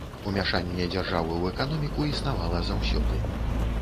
Умяшанне дзяржавы ў эканоміку існавала заўсёды.